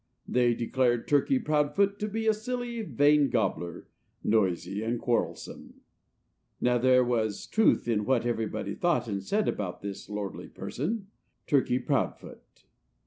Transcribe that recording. They declared Turkey Proudfoot to be a silly, vain gobbler, noisy and quarrelsome. Now, there was truth in what everybody thought and said about this lordly person, Turkey Proudfoot.